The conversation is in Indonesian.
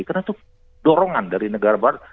karena itu dorongan dari negara barat